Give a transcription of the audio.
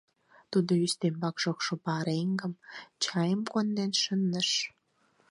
Тудо ӱстембак шокшо пареҥгым, чайым конден шындыш.